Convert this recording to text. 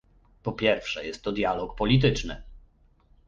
Po pierwsze jest to dialog polityczny